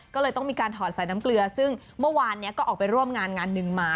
ก็เลยต้องมีการถอดใส่น้ำเกลือซึ่งเมื่อวานนี้ก็ออกไปร่วมงานงานหนึ่งมา